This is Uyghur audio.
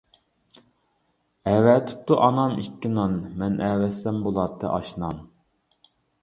ئەۋەتىپتۇ ئانام ئىككى نان، مەن ئەۋەتسەم بولاتتى ئاش-نان.